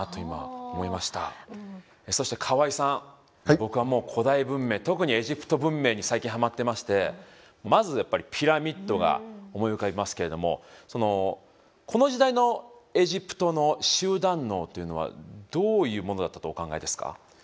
僕は古代文明特にエジプト文明に最近はまってましてまずやっぱりピラミッドが思い浮かびますけれどもこの時代のエジプトの集団脳というのはどういうものだったとお考えですか。